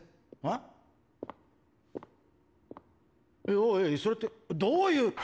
おいそれってどういう！